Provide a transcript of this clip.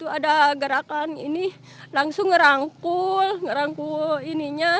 ada gerakan ini langsung ngerangkul ngerangkul ininya